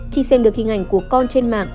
khi xem được hình ảnh của con trên mạng